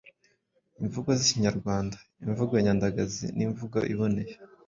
Imvugo z’Ikinyarwanda: Imvugo nyandagazi n’imvugo iboneye